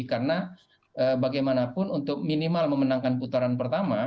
karena bagaimanapun untuk minimal memenangkan putaran pertama